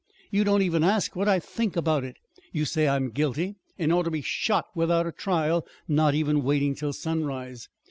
"You don't even ask what I think about it. You say I'm guilty and ought to be shot without a trial not even waiting till sunrise.